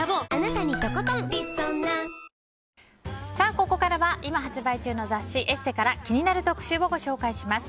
ここからは今発売中の雑誌「ＥＳＳＥ」から気になる特集をご紹介します。